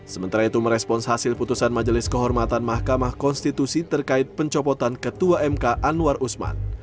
sementara itu merespons hasil putusan majelis kehormatan mahkamah konstitusi terkait pencopotan ketua mk anwar usman